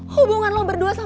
hubungan lo berdua sama